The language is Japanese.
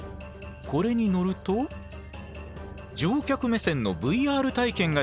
これに乗ると乗客目線のＶＲ体験ができるんです。